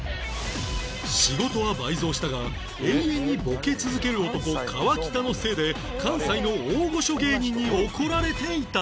仕事は倍増したが永遠にボケ続ける男川北のせいで関西の大御所芸人に怒られていた